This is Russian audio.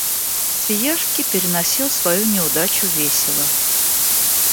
Свияжский переносил свою неудачу весело.